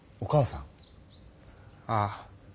ああ。